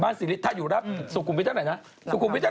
บ้านศรีริต้าอยู่รับสุขุมวิทยาลัยนะ